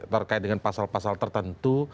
terkait dengan pasal pasal tertentu